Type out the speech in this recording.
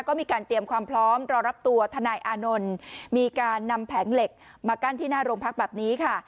ก็มีการเตรียมความพร้อมรอรับตัวทนายอานนท์มีการนำแผงเหล็กมากั้นที่หน้าโรงพักแบบนี้ค่ะ